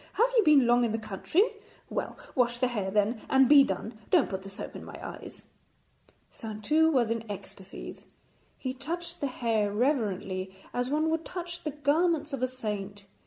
Have you been long in the country? Well, wash the hair then, and be done. Don't put the soap in my eyes.' Saintou was in ecstasies. He touched the hair reverently as one would touch the garments of a saint.